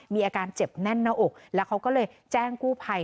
มีอาการเจ็บแน่นหน้าอกแล้วเขาก็เลยแจ้งกู้ภัย